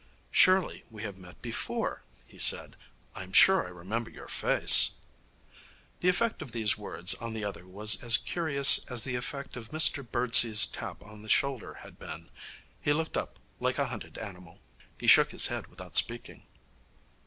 'Surely we have met before?' he said. 'I'm sure I remember your face.' The effect of these words on the other was as curious as the effect of Mr Birdsey's tap on the shoulder had been. He looked up like a hunted animal. He shook his head without speaking.